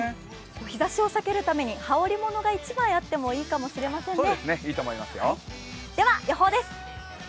日ざしを避けるために羽織物が１枚あってもいいかもしれませんね。